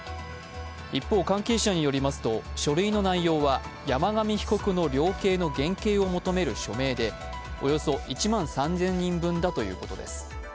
一方、関係者によりますと、書類の内容は山上被告の量刑の減軽を求める署名でおよそ１万３０００人分だということです。